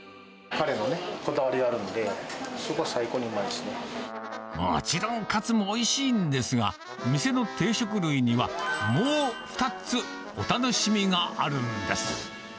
彼のこだわりがあるんで、もちろん、かつもおいしいんですが、店の定食類には、もう２つ、お楽しみがあるんです。